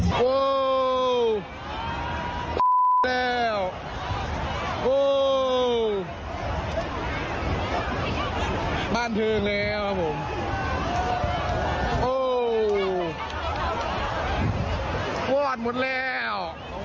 โอ้ไฟไหม้แล้วโอ้บ้านทึงแล้วครับผมโอ้วอดหมดแล้ว